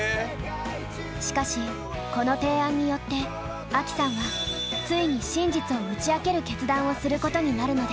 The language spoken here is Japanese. しかしこの提案によってアキさんはついに真実を打ち明ける決断をすることになるのです。